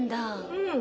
うん。